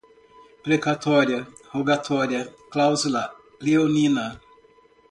precatória, rogatória, cláusula leonina